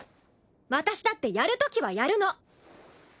私だってやるときはやるの！